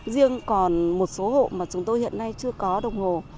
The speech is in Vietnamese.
riêng còn một số hộ mà chúng tôi hiện nay chưa có đồng hồ